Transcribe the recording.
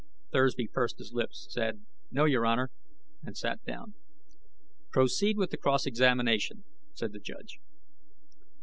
Thursby pursed his lips, said, "No, Your Honor," and sat down. "Proceed with the cross examination," said the judge.